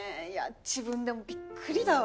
自分でもびっくりだわ。